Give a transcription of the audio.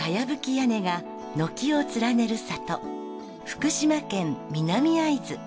屋根が軒を連ねる里福島県南会津。